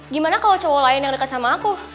gimana kalau cowok lain yang dekat sama aku